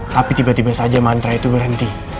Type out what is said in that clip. tapi tiba tiba saja mantra itu berhenti